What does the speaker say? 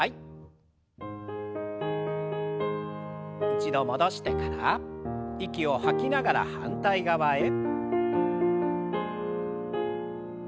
一度戻してから息を吐きながら反対側へ。